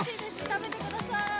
食べてください。